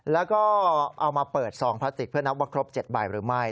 แล้วก็เอามาเปิดซองพลาสติกเพื่อนับว่าครบ๗ใบหรือไม่